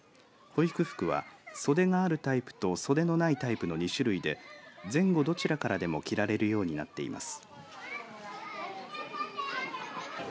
保育服は袖があるタイプと袖のないタイプの２種類で前後どちらからでも着られるようになっています。